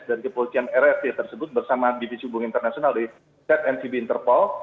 dari kepolisian rrt tersebut bersama bbc hubung internasional di zncb interpol